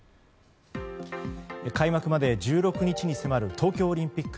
開幕まで１６日に迫る東京オリンピック。